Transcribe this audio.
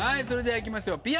それではいきましょう。